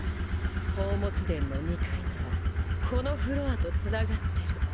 宝物殿の２階ならこのフロアとつながってる。